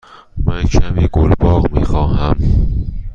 من کمی گل باغ می خواهم.